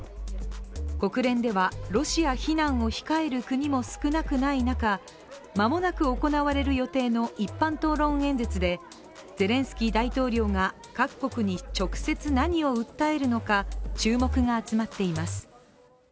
国連ではロシア非難を控える国も少なくない中、まもなく行われる予定の一般討論演説でゼレンスキー大統領が各国に直接何を訴えるのか注目が集まっています。